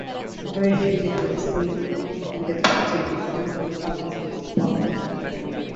Very few Liberals stayed with the party, and some Conservatives balked at the move.